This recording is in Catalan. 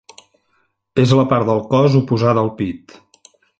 És la part del cos oposada al pit.